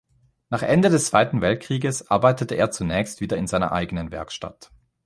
Nach Ende des Zweiten Weltkrieges arbeitete er zunächst wieder in seiner eigenen Werkstatt.